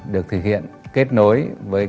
được thực hiện kết nối với